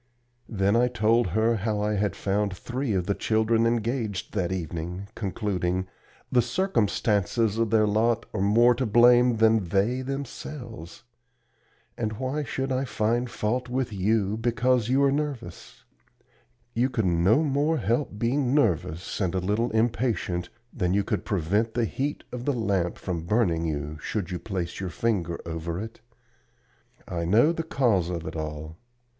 Then I told her how I had found three of the children engaged that evening, concluding: "The circumstances of their lot are more to blame than they themselves. And why should I find fault with you because you are nervous? You could no more help being nervous and a little impatient than you could prevent the heat of the lamp from burning you, should you place your finger over it. I know the cause of it all.